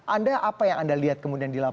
anda apa yang anda lihat kemudian di lapangan